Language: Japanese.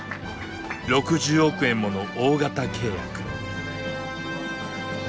６０億円もの大型契約。